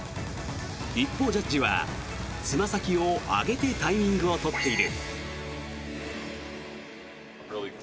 一方、ジャッジはつま先を上げてタイミングを取っている。